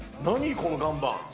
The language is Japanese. この岩盤。